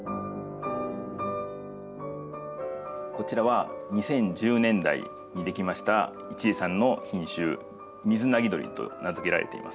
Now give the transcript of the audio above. こちらは２０１０年代に出来ました一江さんの品種「水凪鳥」と名付けられています。